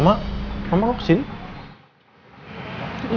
mama mama kok kesini